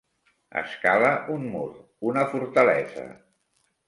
Escalar un mur, una fortalesa.